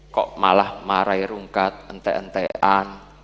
kok malah marahi rungkat ente entean